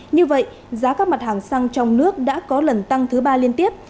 như vậy giá các mặt hàng xăng trong nước đã có lần tăng thứ ba liên tiếp